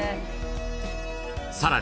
［さらに］